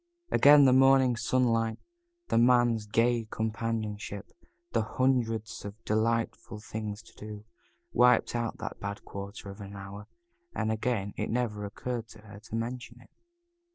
Again the morning sunlight, the Man's gay companionship, the hundreds of delightful things to do, wiped out that bad quarter of an hour, and again it never occurred to her to mention it.